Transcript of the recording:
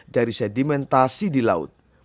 dari sedimentasi di laut